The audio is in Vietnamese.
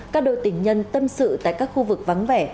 các đội tình nhân tâm sự tại các khu vực vắng vẻ